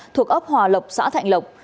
thuộc ốc hòa lộc xã thạnh lộc